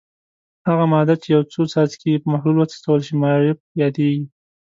هغه ماده چې څو څاڅکي یې په محلول وڅڅول شي معرف یادیږي.